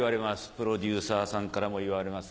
プロデューサーさんからも言われます